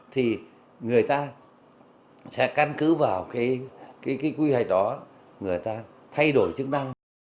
thì người ta sẽ căn cứ vào cái quy hoạch đó người ta thay đổi chức năng